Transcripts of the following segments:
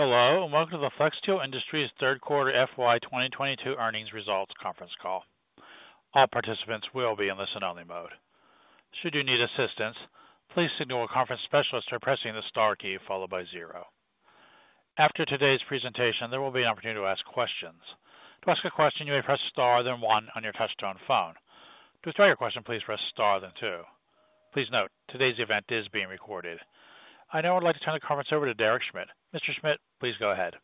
Hello, and welcome to the Flexsteel Industries third quarter FY 2022 earnings results conference call. All participants will be in listen-only mode. Should you need assistance, please signal a conference specialist by pressing the star key followed by zero. After today's presentation, there will be an opportunity to ask questions. To ask a question, you may press star then one on your touchtone phone. To withdraw your question, please press star then two. Please note, today's event is being recorded. I now would like to turn the conference over to Derek Schmidt. Mr. Schmidt, please go ahead.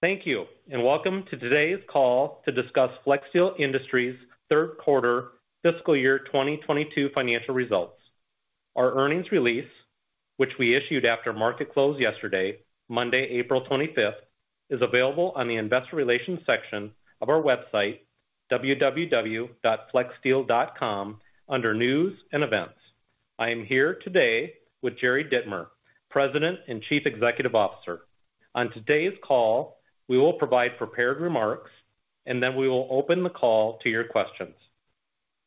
Thank you, and welcome to today's call to discuss Flexsteel Industries' third quarter fiscal year 2022 financial results. Our earnings release, which we issued after market close yesterday, Monday, April 25, is available on the investor relations section of our website, www.flexsteel.com, under News & Events. I am here today with Jerry Dittmer, President and Chief Executive Officer. On today's call, we will provide prepared remarks, and then we will open the call to your questions.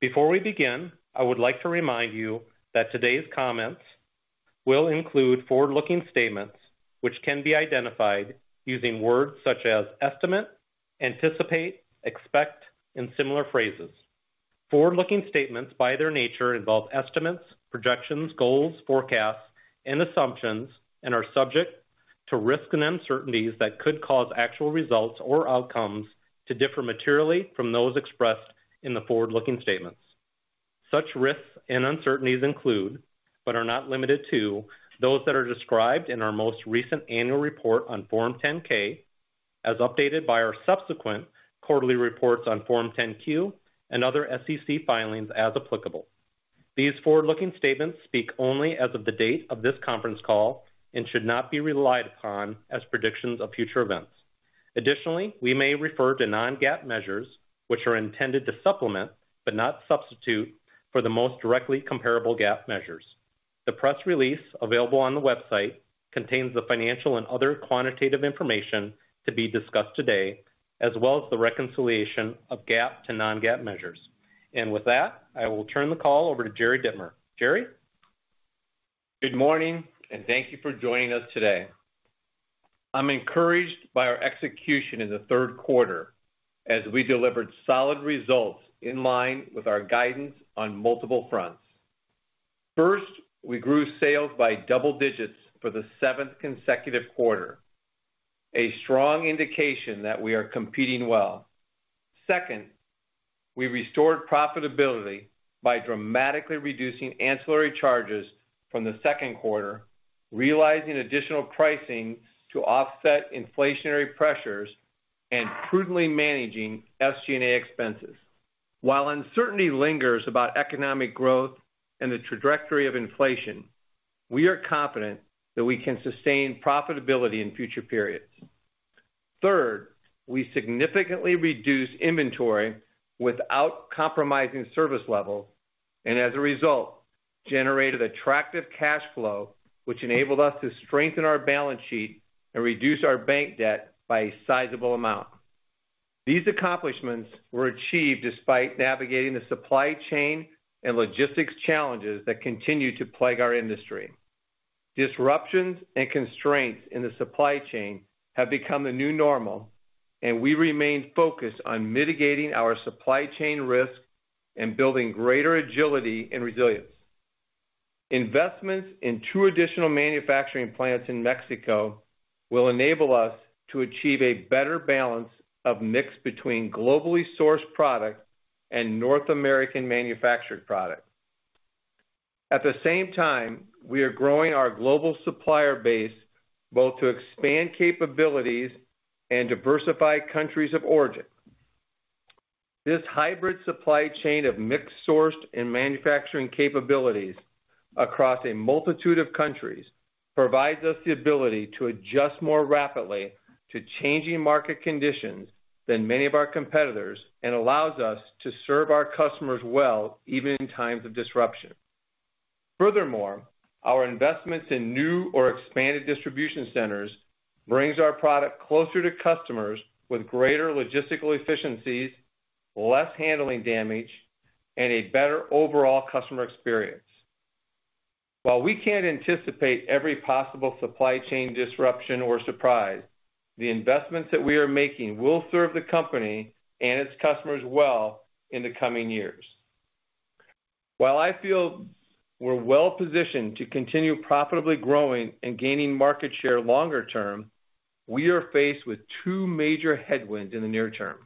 Before we begin, I would like to remind you that today's comments will include forward-looking statements, which can be identified using words such as estimate, anticipate, expect, and similar phrases. Forward-looking statements, by their nature, involve estimates, projections, goals, forecasts, and assumptions, and are subject to risks and uncertainties that could cause actual results or outcomes to differ materially from those expressed in the forward-looking statements. Such risks and uncertainties include, but are not limited to, those that are described in our most recent annual report on Form 10-K, as updated by our subsequent quarterly reports on Form 10-Q and other SEC filings as applicable. These forward-looking statements speak only as of the date of this conference call and should not be relied upon as predictions of future events. Additionally, we may refer to non-GAAP measures, which are intended to supplement, but not substitute, for the most directly comparable GAAP measures. The press release available on the website contains the financial and other quantitative information to be discussed today, as well as the reconciliation of GAAP to non-GAAP measures. With that, I will turn the call over to Jerry Dittmer. Jerry? Good morning, and thank you for joining us today. I'm encouraged by our execution in the third quarter as we delivered solid results in line with our guidance on multiple fronts. First, we grew sales by double digits for the seventh consecutive quarter, a strong indication that we are competing well. Second, we restored profitability by dramatically reducing ancillary charges from the second quarter, realizing additional pricing to offset inflationary pressures, and prudently managing SG&A expenses. While uncertainty lingers about economic growth and the trajectory of inflation, we are confident that we can sustain profitability in future periods. Third, we significantly reduced inventory without compromising service levels, and as a result, generated attractive cash flow, which enabled us to strengthen our balance sheet and reduce our bank debt by a sizable amount. These accomplishments were achieved despite navigating the supply chain and logistics challenges that continue to plague our industry. Disruptions and constraints in the supply chain have become the new normal, and we remain focused on mitigating our supply chain risks and building greater agility and resilience. Investments in 2 additional manufacturing plants in Mexico will enable us to achieve a better balance of mix between globally sourced product and North American manufactured product. At the same time, we are growing our global supplier base, both to expand capabilities and diversify countries of origin. This hybrid supply chain of mixed sourced and manufacturing capabilities across a multitude of countries provides us the ability to adjust more rapidly to changing market conditions than many of our competitors and allows us to serve our customers well, even in times of disruption. Furthermore, our investments in new or expanded distribution centers brings our product closer to customers with greater logistical efficiencies, less handling damage, and a better overall customer experience. While we can't anticipate every possible supply chain disruption or surprise, the investments that we are making will serve the company and its customers well in the coming years. While I feel we're well-positioned to continue profitably growing and gaining market share longer term, we are faced with two major headwinds in the near term.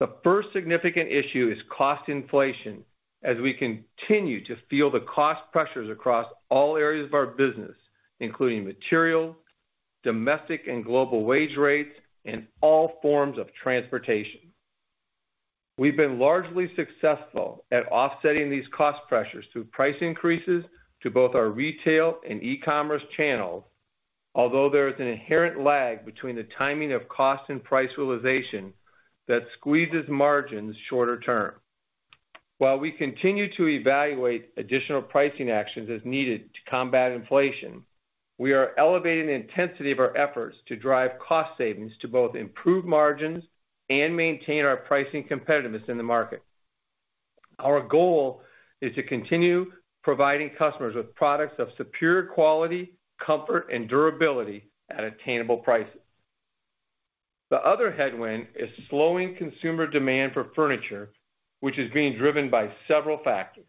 The first significant issue is cost inflation as we continue to feel the cost pressures across all areas of our business, including material, domestic and global wage rates, and all forms of transportation. We've been largely successful at offsetting these cost pressures through price increases to both our retail and e-commerce channels. Although there is an inherent lag between the timing of cost and price realization that squeezes margins shorter term. While we continue to evaluate additional pricing actions as needed to combat inflation, we are elevating the intensity of our efforts to drive cost savings to both improve margins and maintain our pricing competitiveness in the market. Our goal is to continue providing customers with products of superior quality, comfort and durability at attainable prices. The other headwind is slowing consumer demand for furniture, which is being driven by several factors.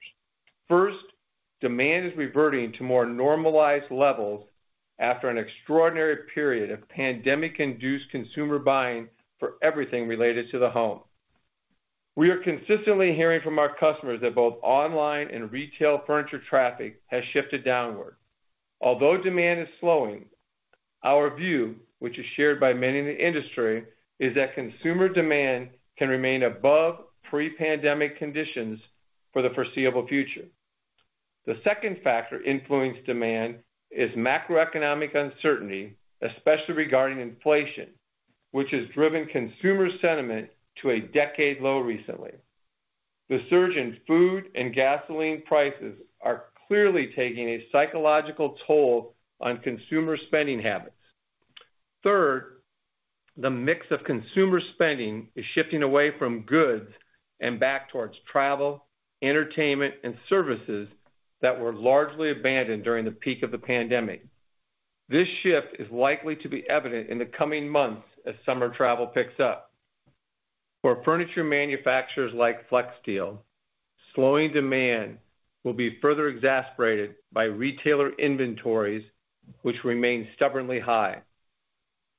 First, demand is reverting to more normalized levels after an extraordinary period of pandemic-induced consumer buying for everything related to the home. We are consistently hearing from our customers that both online and retail furniture traffic has shifted downward. Although demand is slowing, our view, which is shared by many in the industry, is that consumer demand can remain above pre-pandemic conditions for the foreseeable future. The second factor influencing demand is macroeconomic uncertainty, especially regarding inflation, which has driven consumer sentiment to a decade low recently. The surge in food and gasoline prices are clearly taking a psychological toll on consumer spending habits. Third, the mix of consumer spending is shifting away from goods and back towards travel, entertainment and services that were largely abandoned during the peak of the pandemic. This shift is likely to be evident in the coming months as summer travel picks up. For furniture manufacturers like Flexsteel, slowing demand will be further exacerbated by retailer inventories, which remain stubbornly high.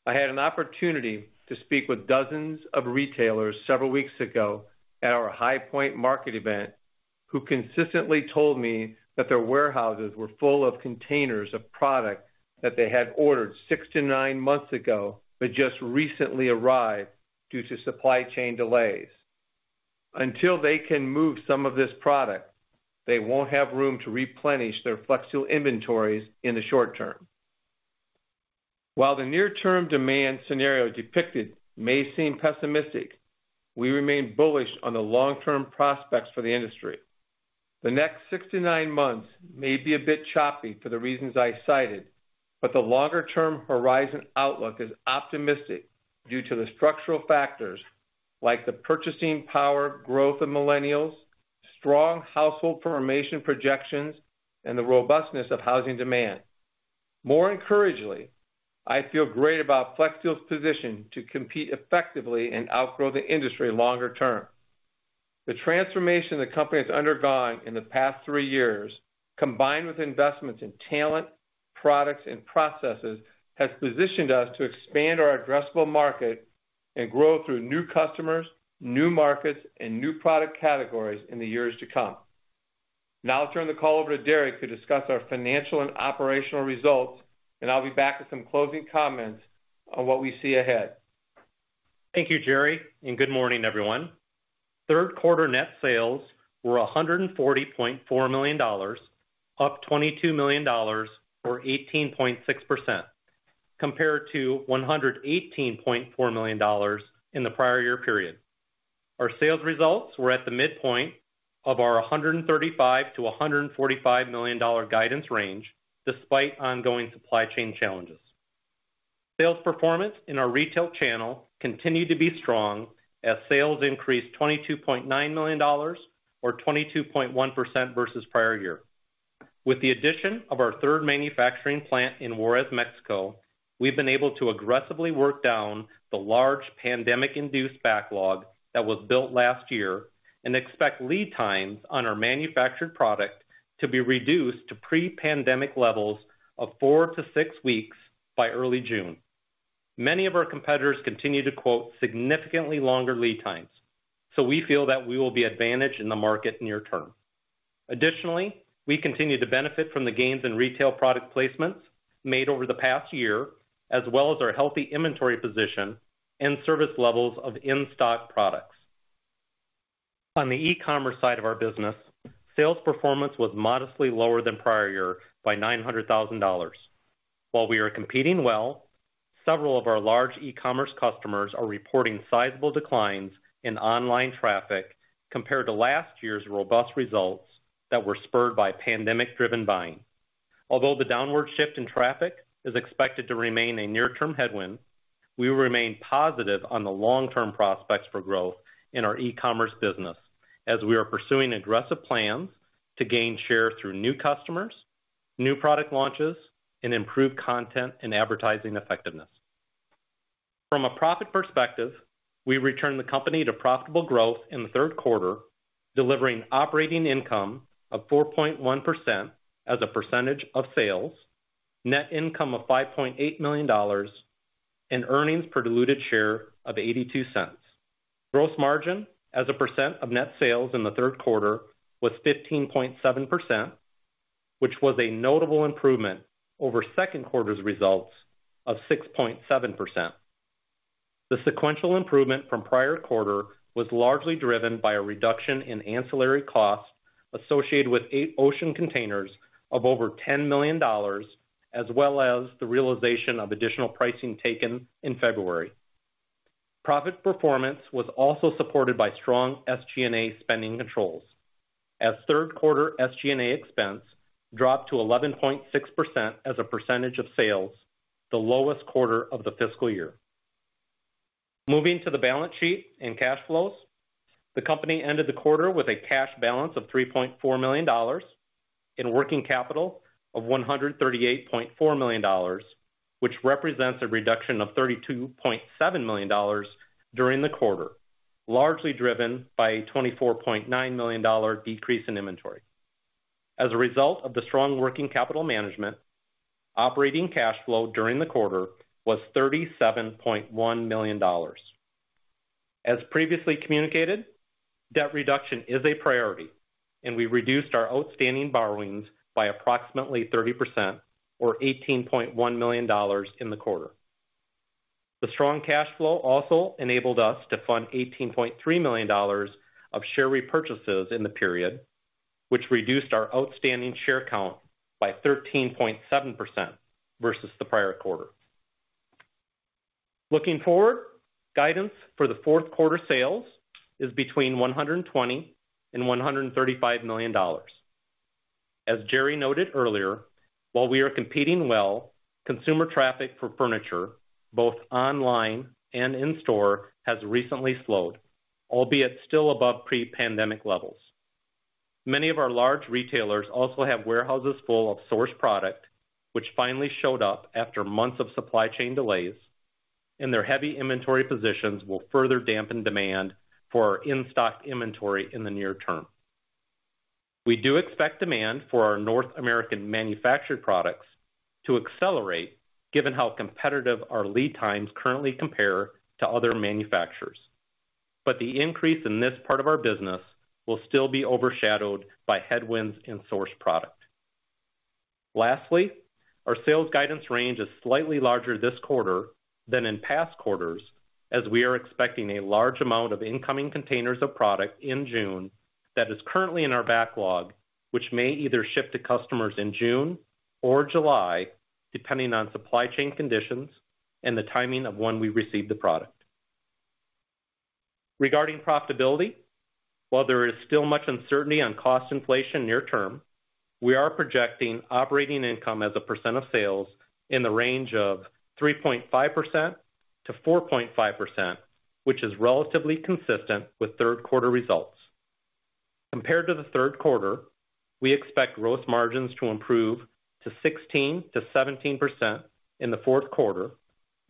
I had an opportunity to speak with dozens of retailers several weeks ago at our High Point Market event, who consistently told me that their warehouses were full of containers of product that they had ordered six to nine months ago, but just recently arrived due to supply chain delays. Until they can move some of this product, they won't have room to replenish their Flexsteel inventories in the short term. While the near-term demand scenario depicted may seem pessimistic, we remain bullish on the long-term prospects for the industry. The next six to 9 months may be a bit choppy for the reasons I cited, but the longer-term horizon outlook is optimistic due to the structural factors like the purchasing power growth of millennials, strong household formation projections, and the robustness of housing demand. More encouragingly, I feel great about Flexsteel's position to compete effectively and outgrow the industry longer term. The transformation the company has undergone in the past three years, combined with investments in talent, products, and processes, has positioned us to expand our addressable market and grow through new customers, new markets, and new product categories in the years to come. Now I'll turn the call over to Derek to discuss our financial and operational results, and I'll be back with some closing comments on what we see ahead. Thank you, Jerry, and good morning, everyone. Third quarter net sales were $140.4 million, up $22 million or 18.6% compared to $118.4 million in the prior year period. Our sales results were at the midpoint of our $135 million-$145 million guidance range, despite ongoing supply chain challenges. Sales performance in our retail channel continued to be strong as sales increased $22.9 million or 22.1% versus prior year. With the addition of our third manufacturing plant in Juárez, Mexico, we've been able to aggressively work down the large pandemic-induced backlog that was built last year and expect lead times on our manufactured product to be reduced to pre-pandemic levels of four to six weeks by early June. Many of our competitors continue to quote significantly longer lead times, so we feel that we will be advantaged in the market near term. Additionally, we continue to benefit from the gains in retail product placements made over the past year, as well as our healthy inventory position and service levels of in-stock products. On the e-commerce side of our business, sales performance was modestly lower than prior year by $900,000. While we are competing well, several of our large e-commerce customers are reporting sizable declines in online traffic compared to last year's robust results that were spurred by pandemic-driven buying. Although the downward shift in traffic is expected to remain a near-term headwind, we remain positive on the long-term prospects for growth in our e-commerce business as we are pursuing aggressive plans to gain share through new customers, new product launches, and improved content and advertising effectiveness. From a profit perspective, we returned the company to profitable growth in the third quarter, delivering operating income of 4.1% as a percentage of sales, net income of $5.8 million, and earnings per diluted share of $0.82. Gross margin as a percent of net sales in the third quarter was 15.7%, which was a notable improvement over second quarter's results of 6.7%. The sequential improvement from prior quarter was largely driven by a reduction in ancillary costs associated with 8 ocean containers of over $10 million, as well as the realization of additional pricing taken in February. Profit performance was also supported by strong SG&A spending controls as third quarter SG&A expense dropped to 11.6% as a percentage of sales, the lowest quarter of the fiscal year. Moving to the balance sheet and cash flows. The company ended the quarter with a cash balance of $3.4 million and working capital of $138.4 million, which represents a reduction of $32.7 million during the quarter, largely driven by a $24.9 million decrease in inventory. As a result of the strong working capital management, operating cash flow during the quarter was $37.1 million. As previously communicated, debt reduction is a priority and we reduced our outstanding borrowings by approximately 30% or $18.1 million in the quarter. The strong cash flow also enabled us to fund $18.3 million of share repurchases in the period, which reduced our outstanding share count by 13.7% versus the prior quarter. Looking forward, guidance for the fourth quarter sales is between $120 million and $135 million. As Jerry noted earlier, while we are competing well, consumer traffic for furniture, both online and in store, has recently slowed, albeit still above pre-pandemic levels. Many of our large retailers also have warehouses full of source product, which finally showed up after months of supply chain delays, and their heavy inventory positions will further dampen demand for our in-stock inventory in the near term. We do expect demand for our North American manufactured products to accelerate given how competitive our lead times currently compare to other manufacturers. The increase in this part of our business will still be overshadowed by headwinds in sourced product. Lastly, our sales guidance range is slightly larger this quarter than in past quarters as we are expecting a large amount of incoming containers of product in June that is currently in our backlog, which may either ship to customers in June or July, depending on supply chain conditions and the timing of when we receive the product. Regarding profitability, while there is still much uncertainty on cost inflation near term, we are projecting operating income as a percent of sales in the range of 3.5%-4.5%, which is relatively consistent with third quarter results. Compared to the third quarter, we expect gross margins to improve to 16%-17% in the fourth quarter,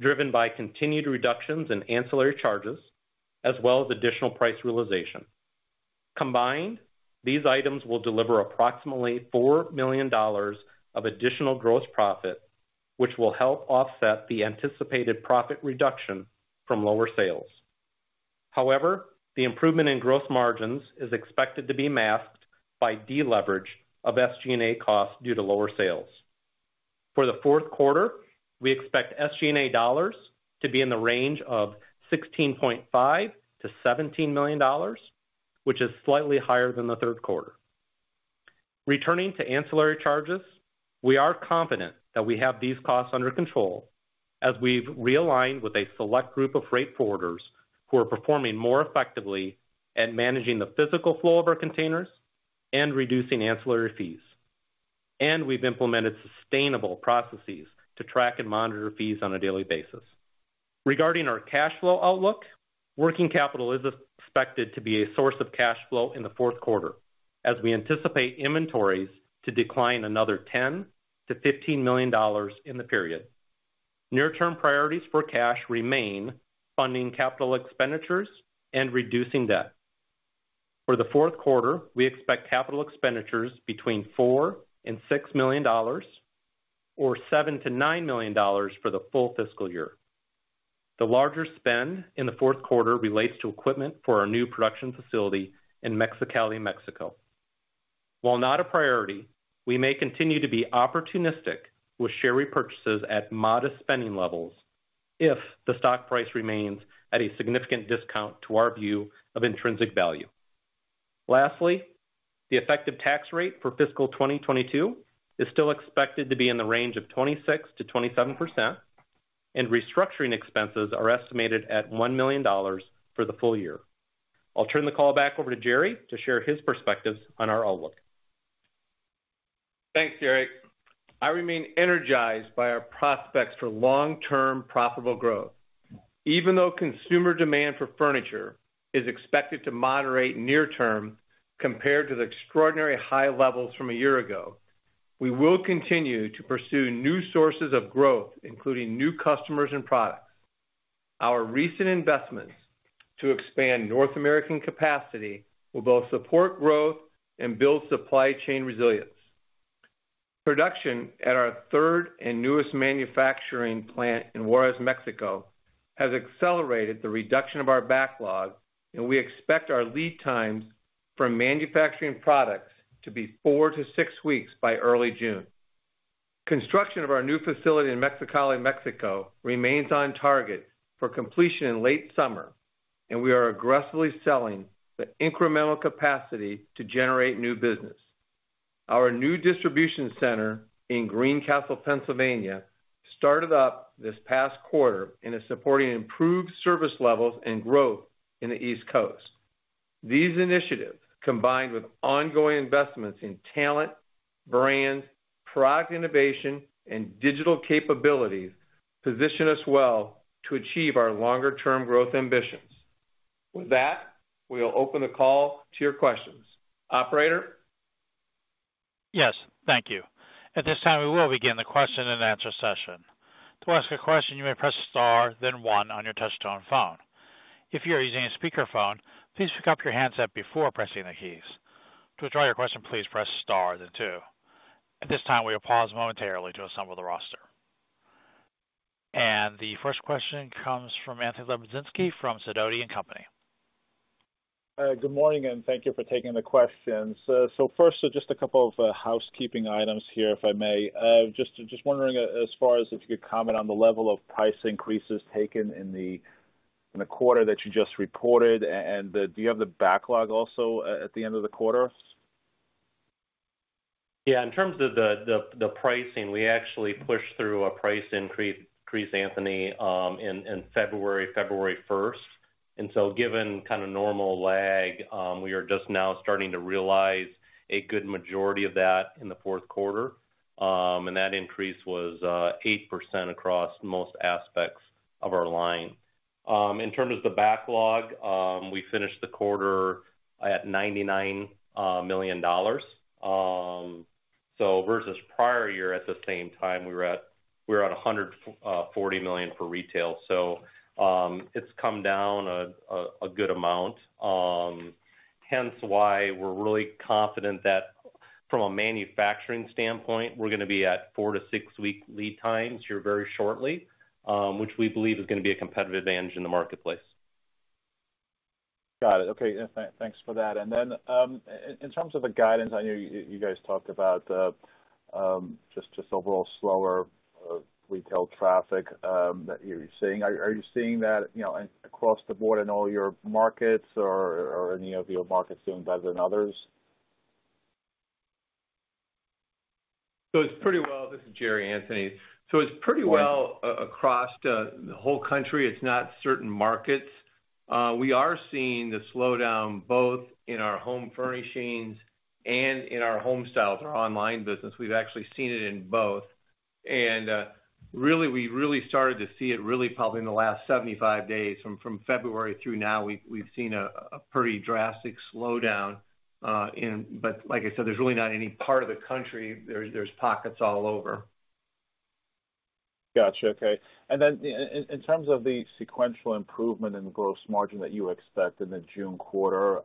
driven by continued reductions in ancillary charges as well as additional price realization. Combined, these items will deliver approximately $4 million of additional gross profit, which will help offset the anticipated profit reduction from lower sales. However, the improvement in gross margins is expected to be masked by deleverage of SG&A costs due to lower sales. For the fourth quarter, we expect SG&A dollars to be in the range of $16.5 million-$17 million, which is slightly higher than the third quarter. Returning to ancillary charges, we are confident that we have these costs under control as we've realigned with a select group of freight forwarders who are performing more effectively at managing the physical flow of our containers and reducing ancillary fees. We've implemented sustainable processes to track and monitor fees on a daily basis. Regarding our cash flow outlook, working capital is expected to be a source of cash flow in the fourth quarter as we anticipate inventories to decline another $10 million-$15 million in the period. Near-term priorities for cash remain funding capital expenditures and reducing debt. For the fourth quarter, we expect capital expenditures between $4 million and $6 million or $7 million-$9 million for the full fiscal year. The larger spend in the fourth quarter relates to equipment for our new production facility in Mexicali, Mexico. While not a priority, we may continue to be opportunistic with share repurchases at modest spending levels if the stock price remains at a significant discount to our view of intrinsic value. Lastly, the effective tax rate for fiscal 2022 is still expected to be in the range of 26%-27% and restructuring expenses are estimated at $1 million for the full year. I'll turn the call back over to Jerry to share his perspectives on our outlook. Thanks, Derek. I remain energized by our prospects for long-term profitable growth. Even though consumer demand for furniture is expected to moderate near term compared to the extraordinary high levels from a year ago, we will continue to pursue new sources of growth, including new customers and products. Our recent investments to expand North American capacity will both support growth and build supply chain resilience. Production at our third and newest manufacturing plant in Juárez, Mexico, has accelerated the reduction of our backlog, and we expect our lead times for manufacturing products to be four to six weeks by early June. Construction of our new facility in Mexicali, Mexico, remains on target for completion in late summer, and we are aggressively selling the incremental capacity to generate new business. Our new distribution center in Greencastle, Pennsylvania, started up this past quarter and is supporting improved service levels and growth in the East Coast. These initiatives, combined with ongoing investments in talent, brands, product innovation and digital capabilities, position us well to achieve our longer term growth ambitions. With that, we'll open the call to your questions. Operator? Yes, thank you. At this time, we will begin the question and answer session. To ask a question, you may press star then one on your touchtone phone. If you're using a speakerphone, please pick up your handset before pressing the keys. To withdraw your question, please press star then two. At this time, we'll pause momentarily to assemble the roster. The first question comes from Anthony Lebiedzinski from Sidoti & Company. Good morning, and thank you for taking the questions. First, just a couple of housekeeping items here, if I may. Just wondering as far as if you could comment on the level of price increases taken in the quarter that you just reported. Do you have the backlog also at the end of the quarter? Yeah. In terms of the pricing, we actually pushed through a price increase, Anthony, in February first. Given kind of normal lag, we are just now starting to realize a good majority of that in the fourth quarter. That increase was 8% across most aspects of our line. In terms of the backlog, we finished the quarter at $99 million. Versus prior year at the same time, we were at $140 million for retail. It's come down a good amount, hence why we're really confident that from a manufacturing standpoint, we're gonna be at four to six week lead times here very shortly, which we believe is gonna be a competitive advantage in the marketplace. Got it. Okay. Thanks for that. In terms of the guidance, I know you guys talked about the just overall slower retail traffic that you're seeing. Are you seeing that, you know, across the board in all your markets or any of your markets doing better than others? This is Jerry, Anthony. It's pretty well across the whole country. It's not certain markets. We are seeing the slowdown both in our home furnishings and in our Homestyles, through our online business. We've actually seen it in both. Really, we started to see it really probably in the last 75 days. From February through now, we've seen a pretty drastic slowdown. But like I said, there's really not any part of the country. There's pockets all over. Got you. Okay. In terms of the sequential improvement in gross margin that you expect in the June quarter,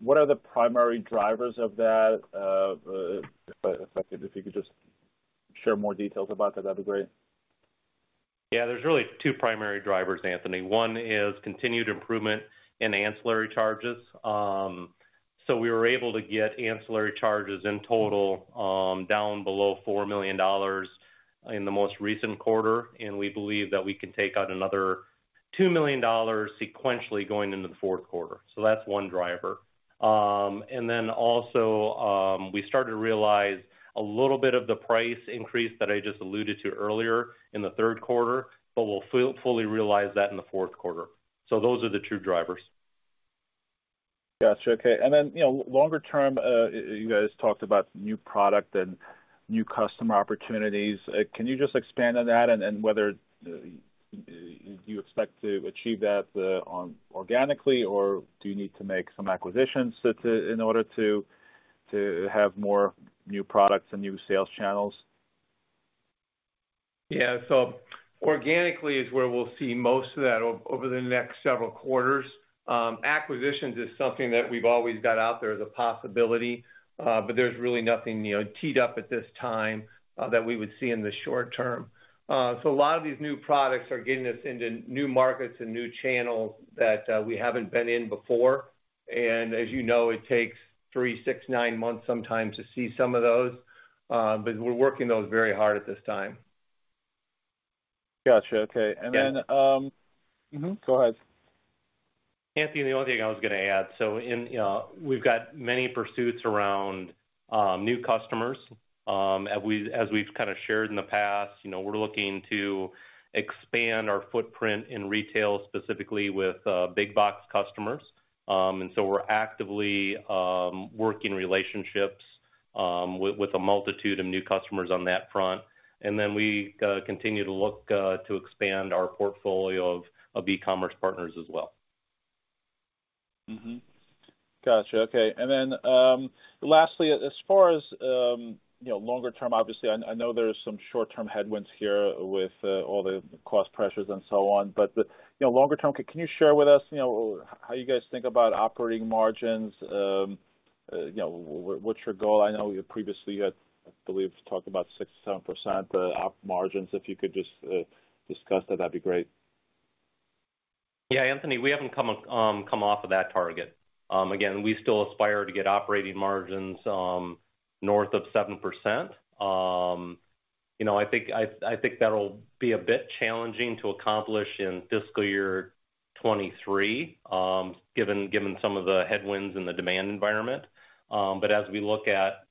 what are the primary drivers of that? If you could just share more details about that'd be great. Yeah. There's really two primary drivers, Anthony. One is continued improvement in ancillary charges. We were able to get ancillary charges in total down below $4 million in the most recent quarter, and we believe that we can take out another $2 million sequentially going into the fourth quarter. That's one driver. Also, we started to realize a little bit of the price increase that I just alluded to earlier in the third quarter, but we'll fully realize that in the fourth quarter. Those are the two drivers. Got you. Okay. Then, you know, longer term, you guys talked about new product and new customer opportunities. Can you just expand on that and whether you expect to achieve that organically, or do you need to make some acquisitions in order to have more new products and new sales channels? Yeah. Organically is where we'll see most of that over the next several quarters. Acquisitions is something that we've always got out there as a possibility, but there's really nothing, you know, teed up at this time, that we would see in the short term. A lot of these new products are getting us into new markets and new channels that we haven't been in before. As you know, it takes three, six, nine months sometimes to see some of those, but we're working those very hard at this time. Got you. Okay. Yeah. And then, um- Mm-hmm. Go ahead. Anthony, the only thing I was gonna add, so in, you know, we've got many pursuits around new customers. As we've kind of shared in the past, you know, we're looking to expand our footprint in retail, specifically with big box customers. We're actively working relationships with a multitude of new customers on that front. We continue to look to expand our portfolio of e-commerce partners as well. Mm-hmm. Got you. Okay. Then, lastly, as far as you know longer term, obviously, I know there's some short-term headwinds here with all the cost pressures and so on. The you know longer term, can you share with us you know how you guys think about operating margins? You know, what's your goal? I know you previously had, I believe, talked about 6%-7% op margins. If you could just discuss that'd be great. Yeah. Anthony, we haven't come off of that target. Again, we still aspire to get operating margins north of 7%. You know, I think that'll be a bit challenging to accomplish in fiscal year 2023, given some of the headwinds in the demand environment. As we look at,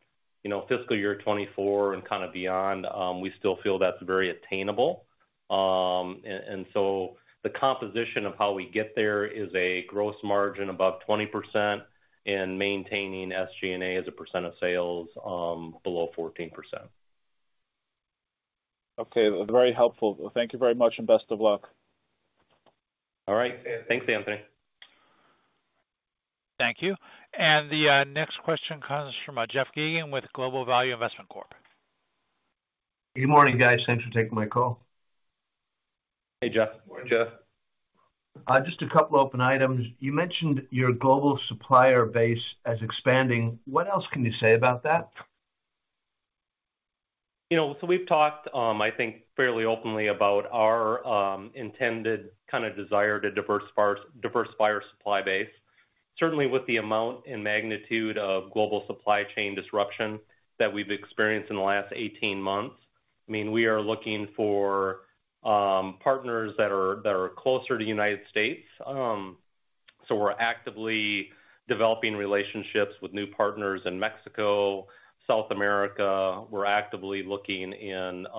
you know, fiscal year 2024 and kind of beyond, we still feel that's very attainable. The composition of how we get there is a gross margin above 20% and maintaining SG&A as a percent of sales below 14%. Okay. Very helpful. Thank you very much, and best of luck. All right. Thanks, Anthony. Thank you. The next question comes from Jeff Geygan with Global Value Investment Corp. Good morning, guys. Thanks for taking my call. Hey, Jeff. Good morning, Jeff. Just a couple open items. You mentioned your global supplier base as expanding. What else can you say about that? You know, we've talked, I think fairly openly about our intended kind of desire to diversify our supply base. Certainly with the amount and magnitude of global supply chain disruption that we've experienced in the last 18 months, I mean, we are looking for partners that are closer to United States. We're actively developing relationships with new partners in Mexico, South America. We're actively looking in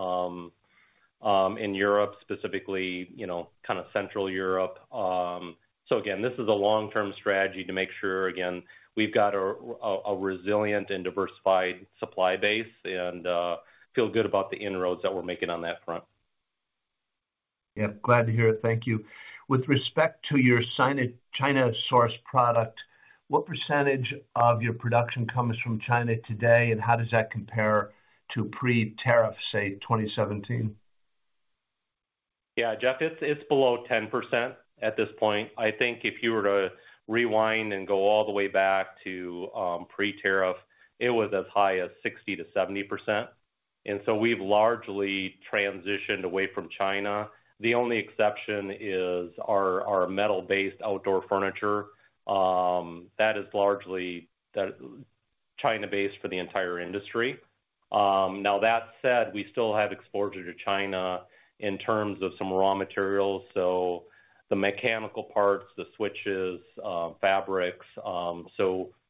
Europe specifically, you know, kind of Central Europe. Again, this is a long-term strategy to make sure, again, we've got a resilient and diversified supply base and feel good about the inroads that we're making on that front. Yep, glad to hear it. Thank you. With respect to your China-sourced product, what percentage of your production comes from China today, and how does that compare to pre-tariff, say, 2017? Yeah, Jeff, it's below 10% at this point. I think if you were to rewind and go all the way back to pre-tariff, it was as high as 60%-70%. We've largely transitioned away from China. The only exception is our metal-based outdoor furniture. That is largely China-based for the entire industry. Now that said, we still have exposure to China in terms of some raw materials, so the mechanical parts, the switches, fabrics.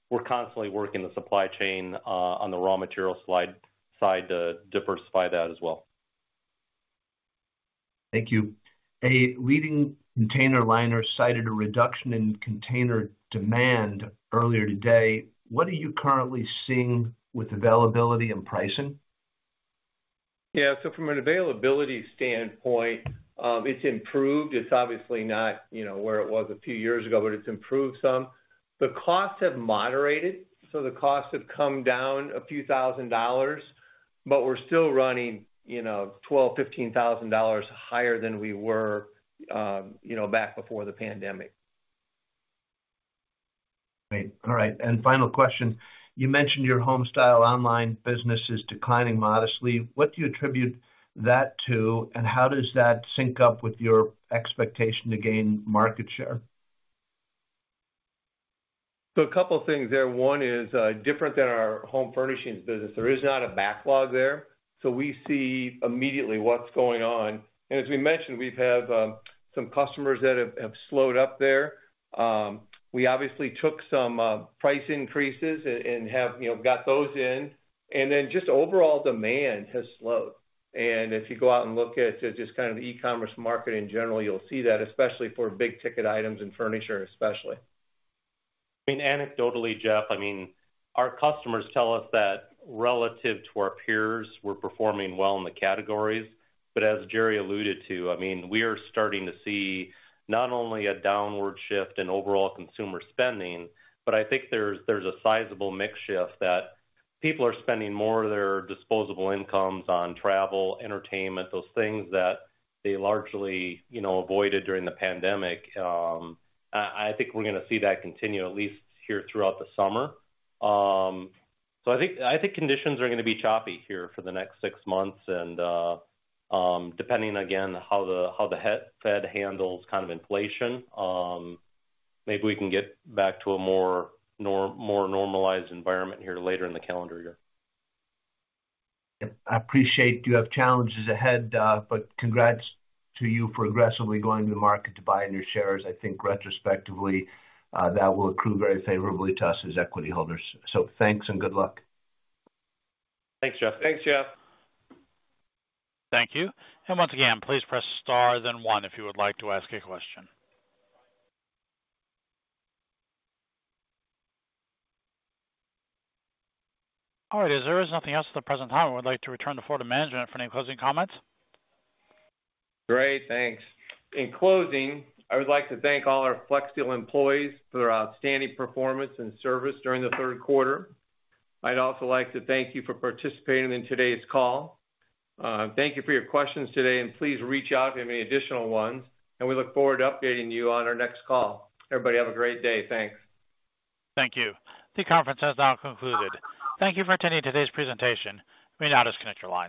We're constantly working the supply chain on the raw material side to diversify that as well. Thank you. A leading container liner cited a reduction in container demand earlier today. What are you currently seeing with availability and pricing? Yeah. From an availability standpoint, it's improved. It's obviously not, you know, where it was a few years ago, but it's improved some. The costs have moderated, so the costs have come down a few thousand dollars, but we're still running, you know, $12000-$15000 higher than we were, you know, back before the pandemic. Great. All right. Final question. You mentioned your homestyles online business is declining modestly. What do you attribute that to, and how does that sync up with your expectation to gain market share? A couple things there. One is, different than our home furnishings business, there is not a backlog there, so we see immediately what's going on. As we mentioned, we've had some customers that have slowed up there. We obviously took some price increases and have, you know, got those in. Then just overall demand has slowed. If you go out and look at just kind of the e-commerce market in general, you'll see that, especially for big ticket items and furniture especially. I mean, anecdotally, Jeff, I mean, our customers tell us that relative to our peers, we're performing well in the categories. As Jerry alluded to, I mean, we are starting to see not only a downward shift in overall consumer spending, but I think there's a sizable mix shift that people are spending more of their disposable incomes on travel, entertainment, those things that they largely, you know, avoided during the pandemic. I think we're gonna see that continue at least here throughout the summer. I think conditions are gonna be choppy here for the next six months. Depending again how the Fed handles kind of inflation, maybe we can get back to a more normalized environment here later in the calendar year. Yep. I appreciate you have challenges ahead, but congrats to you for aggressively going to the market to buy in your shares. I think retrospectively, that will accrue very favorably to us as equity holders. Thanks and good luck. Thanks, Jeff. Thanks, Jeff. Thank you. Once again, please press star then one if you would like to ask a question. All right. As there is nothing else at the present time, I would like to return the floor to management for any closing comments. Great, thanks. In closing, I would like to thank all our Flexsteel employees for their outstanding performance and service during the third quarter. I'd also like to thank you for participating in today's call. Thank you for your questions today, and please reach out with any additional ones, and we look forward to updating you on our next call. Everybody, have a great day. Thanks. Thank you. The conference has now concluded. Thank you for attending today's presentation. You may now disconnect your lines.